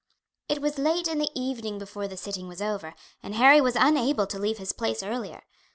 It was late in the evening before the sitting was over, and Harry was unable to leave his place earlier.